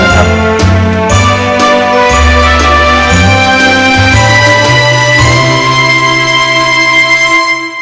โปรดติดตามตอนต่อไป